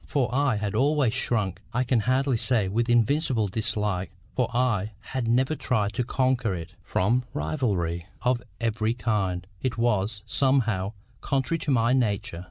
For I had always shrunk, I can hardly say with invincible dislike, for I had never tried to conquer it, from rivalry of every kind: it was, somehow, contrary to my nature.